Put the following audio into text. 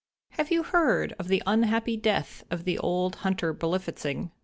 "Have you heard of the unhappy death of the old hunter Berlifitzing?"